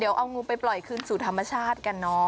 เดี๋ยวเอางูไปปล่อยคืนสู่ธรรมชาติกันเนอะ